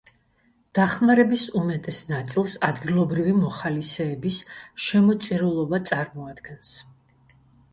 დახმარების უმეტეს ნაწილს ადგილობრივი მოხალისეების შემოწირულობა წარმოადგენს.